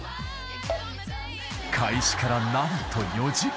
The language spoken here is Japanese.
［開始から何と４時間］